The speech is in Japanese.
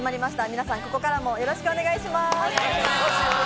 皆さん、ここからもよろしくお願いします。